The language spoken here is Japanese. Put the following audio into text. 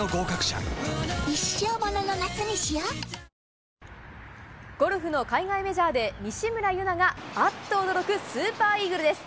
続くゴルフの海外メジャーで、西村優菜があっと驚くスーパーイーグルです。